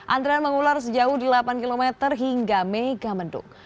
antrean mengular sejauh delapan km hingga megamendung